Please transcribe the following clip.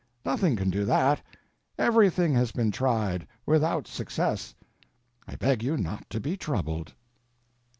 Nothing can do that. Everything has been tried. Without success. I beg you not to be troubled.